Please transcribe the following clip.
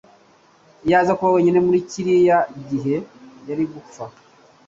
Iyo aza kuba wenyine muri kiriya gihe, yari gupfa.